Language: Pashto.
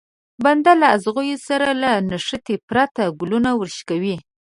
بنده له ازغيو سره له نښتې پرته ګلونه ورشکوي.